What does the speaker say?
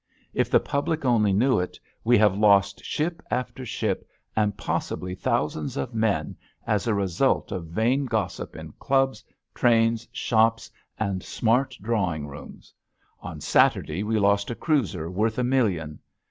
If the public only knew it, we have lost ship after ship, and possibly thousands of men, as a result of vain gossip in clubs, trains, shops and smart drawing rooms. On Saturday we lost a cruiser worth a million.